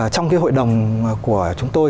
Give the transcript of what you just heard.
trong cái hội đồng của chúng tôi